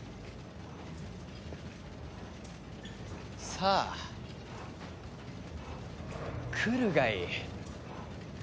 さあ来るがいい。